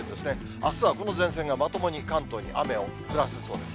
あすはこの前線が、まともに関東に雨を降らすそうです。